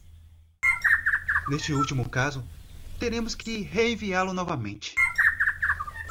Neste último caso, teremos que reenviá-lo novamente.